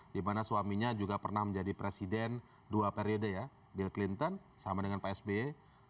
dimana suaminya juga pernah menjadi presiden dua periode ya bill clinton sama dengan pak sby